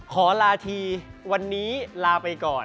ขอลาทีวันนี้ลาไปก่อน